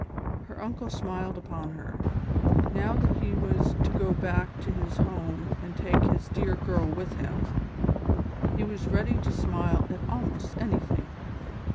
Her uncle smiled upon her. Now that he was to go back to his home and take this dear girl with him, he was ready to smile at almost anything.